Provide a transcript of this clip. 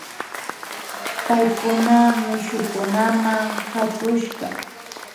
Paykuna mishukunama katushka